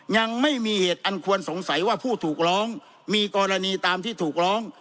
ยังไม่มีเหตุอันควรสงสัยว่าผู้ถูกร้องมีกรณีตามที่ถูกร้อง